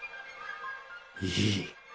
いい！